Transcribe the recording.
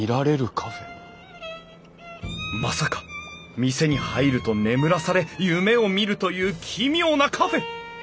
まさか店に入ると眠らされ夢を見るという奇妙なカフェ！？